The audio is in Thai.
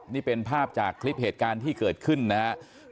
นี่เป็นภาพจากคลิปเหตุการณ์ที่เกิดขึ้นนะครับ